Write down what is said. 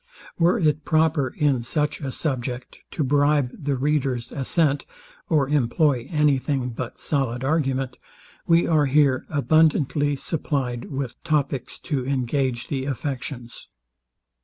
Were it proper in such a subject to bribe the reader's assent, or employ any thing but solid argument, we are here abundantly supplied with topics to engage the affections.